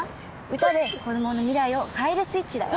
歌で子どもの未来を変えるスイッチだよ。